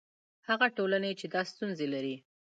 هغه ټولنې چې دا ستونزې لري.